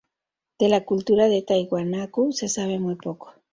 De la cultura de Tiwanaku se sabe muy poco.